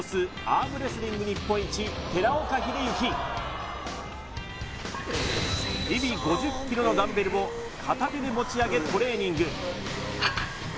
アームレスリング日本一寺岡秀幸日々５０ｋｇのダンベルを片手で持ち上げトレーニング